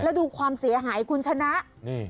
แล้วดูความเสียหายคุณชนะนี่